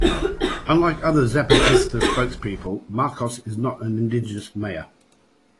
Unlike other Zapatista spokespeople, Marcos is not an indigenous Maya.